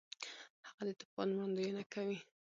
هغه د طوفان وړاندوینه کوي.